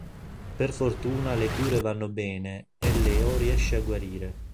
Per fortuna le cure vanno bene e Leo riesce a guarire.